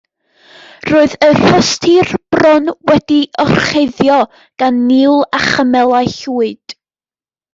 Roedd y rhostir bron wedi'i orchuddio gan niwl a chymylau llwyd.